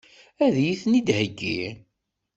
Ad iyi-ten-id-iheggi?